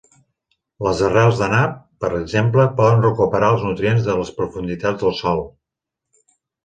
Les arrels de nap, per exemple, poden recuperar els nutrients de les profunditats del sòl.